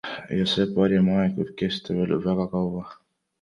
Ja see parim aeg võib kesta veel väga kaua.